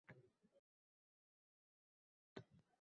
Esingdami o‘shanda senga nima deyishdi?